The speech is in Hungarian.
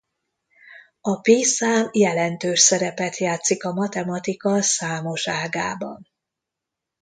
A pí szám jelentős szerepet játszik a matematika számos ágában.